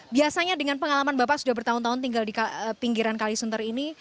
biasanya dengan pengalaman bapak sudah bertahun tahun tinggal di pinggiran kalisunter ini